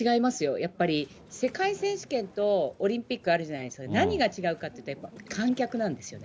やっぱり世界選手権とオリンピックあるじゃないですか、何が違うかっていったらやっぱり、観客なんですよね。